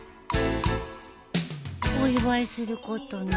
お祝いすることないかな？